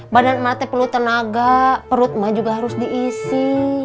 badan mata perlu tenaga perut ma juga harus diisi